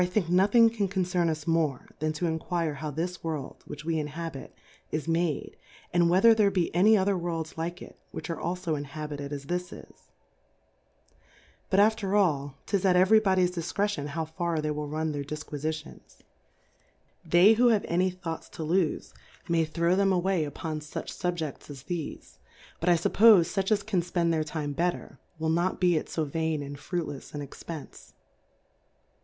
i]i7i9thing can concern usmore^ than to enquire how this World, which we inhabit y is made; and whether there be any other Worlds like it^ which are ajfo inhabited as This isf But after all^. His at every Body'^s Difcretion, how far they will run their Difquifvtions : They who have any Thoughts to lofe^ may A 3 throw Monfieur Fontenelle's throw them away u^on fuch SuhjeRs as thefe :, lut^ Iffip^oje fuch as can f^end their Time letter^ will not he at fo vain andfruitlefs an Expence.